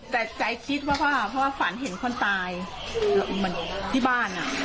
แต่ใจคิดว่าเพราะว่าฝันเห็นคนตายเหมือนที่บ้านอ่ะ